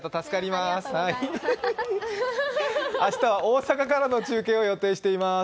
明日は大阪からの中継を予定しています。